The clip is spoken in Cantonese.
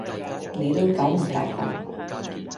你都九唔答八